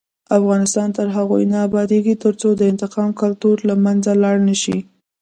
افغانستان تر هغو نه ابادیږي، ترڅو د انتقام کلتور له منځه لاړ نشي.